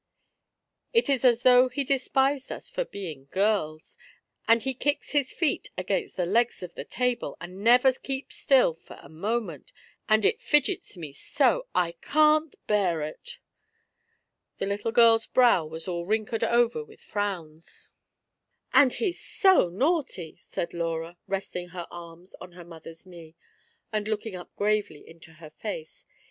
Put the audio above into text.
It is as though he despised us for being girls; and he kicks his feet against the legs of the table, and never keeps still for a moment, and it fidgets me so — I can't bear it !" The little girl's brow was all wrinkled over with frowns. 20 FIRST IMPRESSIONS. "And he's so naughty," said Laura, resting her arms on her mother's knee, and looking up gravely into her face.